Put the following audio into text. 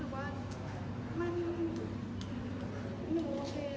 ทุกคนเข้าใจหนูและความเป็นหนูมันก็แบบ